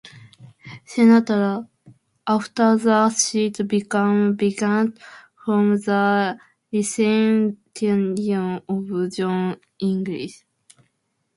Senator, after the seat become vacant from the resignation of John Ensign.